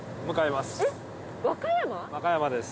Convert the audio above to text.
和歌山です。